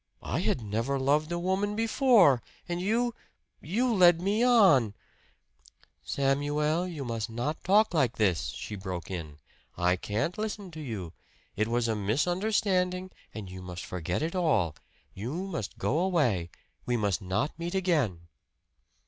I had never loved a woman before. And you you led me on " "Samuel, you must not talk like this!" she broke in. "I can't listen to you. It was a misunderstanding, and you must forget it all. You must go away. We must not meet again."